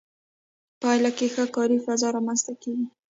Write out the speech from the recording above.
په پایله کې ښه کاري فضا رامنځته کیږي.